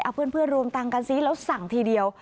เอาเพื่อนรวมตังค์กันซิแล้วสั่งทีเดียว